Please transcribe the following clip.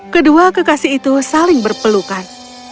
kedua kekasih itu saling berpelukan